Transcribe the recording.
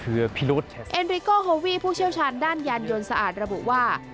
เอ็นริโกโฮวี่ผู้เชี่ยวชาญด้านยานยนต์สะอาดระบุว่า